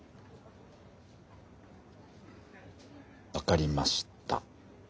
分かりました。